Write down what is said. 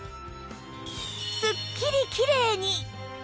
すっきりきれいに！